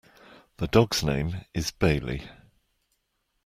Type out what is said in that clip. The dog's name is Bailey.